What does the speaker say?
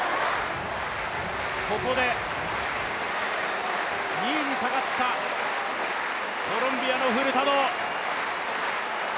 ここで２位に下がったコロンビアのフルタド。